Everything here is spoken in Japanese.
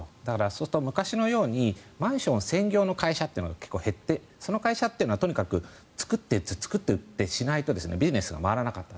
そうすると昔のようにマンション専業の会社が減ってその会社というのはとにかく作って、売ってってしないとビジネスが回らなかった。